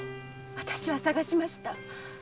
私は捜しました。